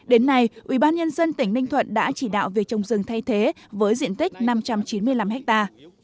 đến nay ubnd tỉnh ninh thuận đã chỉ đạo việc trồng rừng thay thế với diện tích năm trăm chín mươi năm ha